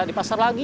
di pasar lagi